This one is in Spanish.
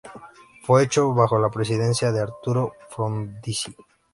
Fue hecho bajo la presidencia de Arturo Frondizi.